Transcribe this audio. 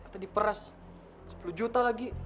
tadi peres sepuluh juta lagi